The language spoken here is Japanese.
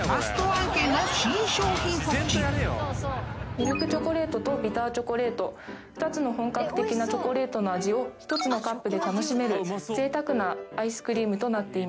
ミルクチョコレートとビターチョコレート２つの本格的なチョコレートの味を１つのカップで楽しめるぜいたくなアイスクリームとなっています。